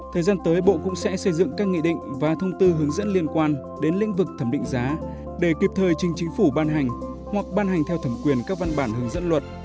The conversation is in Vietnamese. thời gian tới bộ cũng sẽ xây dựng các nghị định và thông tư hướng dẫn liên quan đến lĩnh vực thẩm định giá để kịp thời trình chính phủ ban hành hoặc ban hành theo thẩm quyền các văn bản hướng dẫn luật